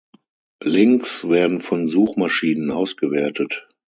Links werden von Suchmaschinen ausgewertet.